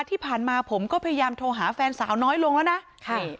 ที่ผ่านมาผมก็พยายามโทรหาแฟนสาวน้อยลงแล้วนะใช่